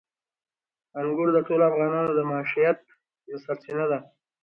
انګور د ټولو افغانانو د معیشت یوه سرچینه ده.